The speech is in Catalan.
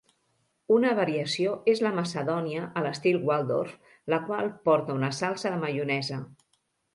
Una variació és la macedònia a l'estil Waldorf, la qual porta una salsa de maionesa.